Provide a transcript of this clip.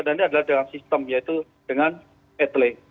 dan ini adalah dalam sistem yaitu dengan eteleng